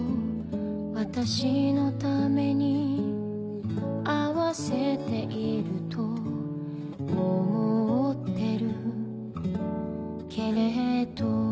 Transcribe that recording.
「私のために合わせていると思ってるけれど」